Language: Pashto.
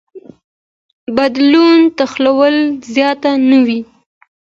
بدلون تحول زیات نه وي.